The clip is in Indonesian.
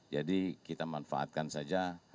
jadi kita manfaatkan saja